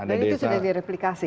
dan itu sudah direplikasi